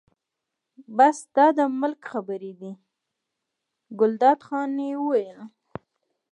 بس دا د ملک خبرې دي، ګلداد خان یې وویل.